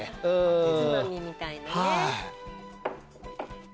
おつまみみたいなね。